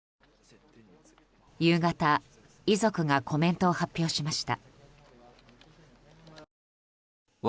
夕方、遺族がコメントを発表しました。